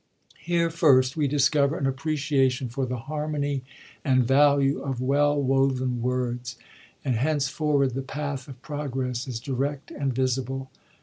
Here first we discover an appreciation for the harmony and value of well woven words; and henceforward the path of progress is direct and visible.